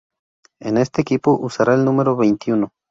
En este equipo usará el número veintiuno.